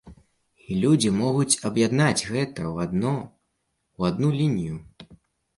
І людзі могуць аб'яднаць гэта ў адно, у адну лінію.